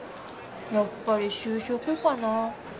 やっぱり就職かな。